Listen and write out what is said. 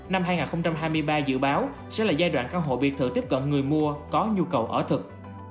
năm hai nghìn hai mươi ba dự báo sẽ là giai đoạn căn hộ biệt thự tiếp cận người mua có nhu cầu ở thực